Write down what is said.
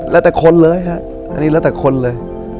แล้วแต่คนเลยฮะอันนี้แล้วแต่คนเลย